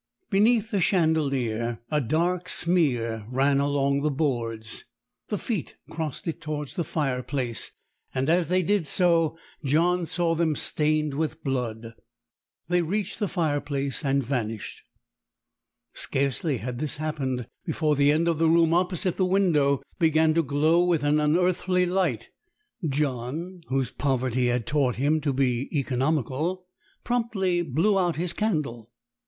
Beneath the chandelier a dark smear ran along the boards. The feet crossed it towards the fireplace; and as they did so, John saw them stained with blood. They reached the fire place and vanished. Scarcely had this happened, before the end of the room opposite the window began to glow with an unearthly light. John, whose poverty had taught him to be economical, promptly blew out his candle.